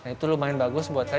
itu lumayan bagus buat saya